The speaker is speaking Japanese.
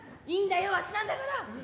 いいんだよわしなんだから。